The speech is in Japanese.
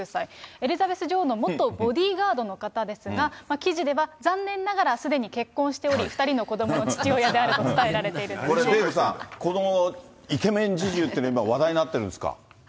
エリザベス女王の元ボディーガードの方ですが、記事では残念ながらすでに結婚しており、２人の子どもの父親であると伝えられていデーブさん、このイケメン侍従っていうのが話題になってるんですか。